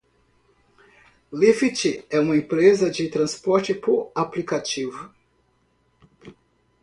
Lyft é uma empresa de transporte por aplicativo.